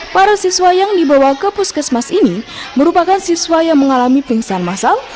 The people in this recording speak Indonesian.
para siswa yang dibawa ke puskesmas ini merupakan siswa yang mengalami pingsan masal